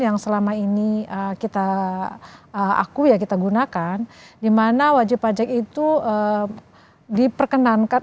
yang selama ini kita aku ya kita gunakan dimana wajib pajak itu diperkenankan